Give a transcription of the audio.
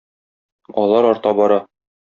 Алар арта бара.